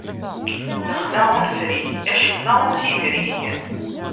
Lexla ur nefrig, acemma ur as-idrig.